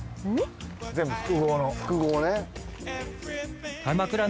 全部複合の。